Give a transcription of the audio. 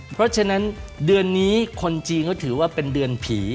เพราะฉะนั้นเดือนนี้คนจีนเขาถือว่าเป็นเดือนผี